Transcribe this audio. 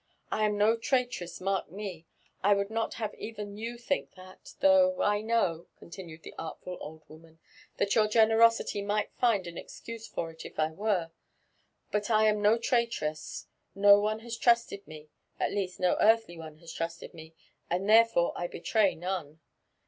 I am no traitress, mark me! I would not have even you think that; though I know," confmued the artful old woman, '' that your generosity might find an excuse for it if 1 were. But I am no traitress; no one has trusted me — at least no earthly one has trusted me, and therefore I betray none.